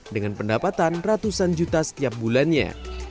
dengan pendapatan ratusan juta setiap bulannya